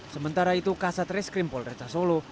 sementara itu kasat reskrim polresa solo